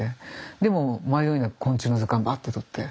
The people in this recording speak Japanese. でもう迷いなく昆虫の図鑑バッて取って。